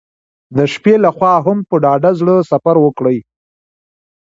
د شپې له خوا هم په ډاډه زړه سفر وکړئ.